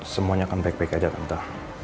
semuanya akan baik baik aja tante